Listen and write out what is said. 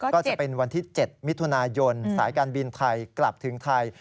ก็จะเป็นวันที่๗มิถุนายนสายการบินไทยกลับถึงไทย